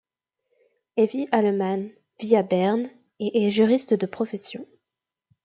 Evi Allemann vit à Berne et est juriste de profession.